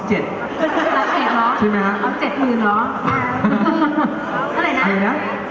เอา๗หรอเอา๗หนึ่งหรอ